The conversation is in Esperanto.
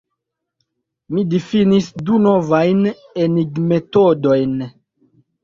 Mi difinis du novajn enigmetodojn.